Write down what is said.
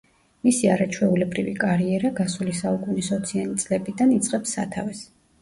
მისი არაჩვეულებრივი კარიერა, გასული საუკუნის ოციან წლებიდან იწყებს სათავეს.